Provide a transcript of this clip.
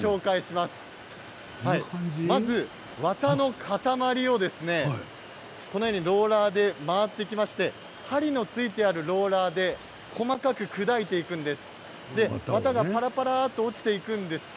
まず綿の塊をこのようにローラーで回ってきまして針のついているローラーで細かく砕いていきます。